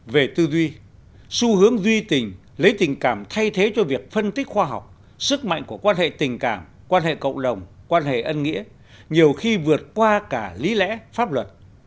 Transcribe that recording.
về tư duy xu hướng duy tình lấy tình cảm thay thế cho việc phân tích khoa học sức mạnh của quan hệ tình cảm quan hệ cộng đồng quan hệ ân nghĩa nhiều khi vượt qua cả lý lẽ pháp luật